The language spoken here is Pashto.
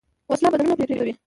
وسله بدنونه پرې کوي